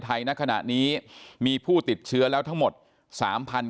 ไทยณขณะนี้มีผู้ติดเชื้อแล้วทั้งหมดสามพัน